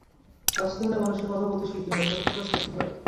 বঁাচতে হলে মানুষকে কথা বলতে শিখতে হয়, তাকে প্রকাশ করতে হয়।